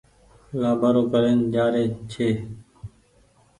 لآٻآرو ڪرين جآري ڇي۔